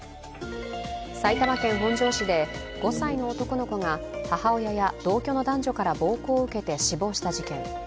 埼玉県本庄市で５歳の男の子が母親や同居の男女から暴行を受けて死亡した事件。